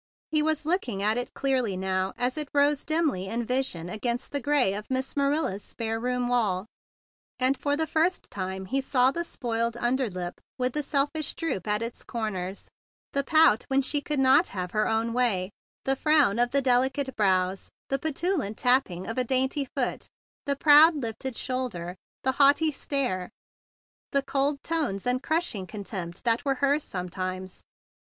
He was looking at it squarely now as it rose dimly in vision against the gray of Miss Manila's spare room wall; and for the first time he saw the petted under lip with the selfish droop at its corners, the pout when she could not have her own way, the frown of the delicate brows, the petulant tapping of a dainty foot, the proud lifted shoulder, the haughty stare, the cold tones and THE BIG BLUE SOLDIER 155 crushing contempt that were hers sometimes.